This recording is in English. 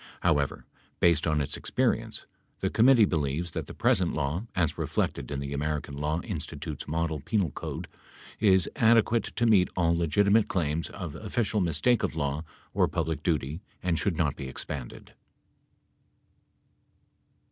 However, based on its experience, the com mittee believes that the present law, as reflected in the American Law Institute's model penal code, is adequate to meet all legitimate claims of official mistake of law or public duty and should not be expanded.